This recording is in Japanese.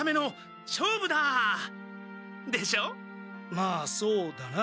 まあそうだな。